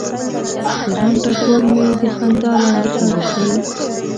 د غم ټکور مې د خندا لاندې ښخ دی.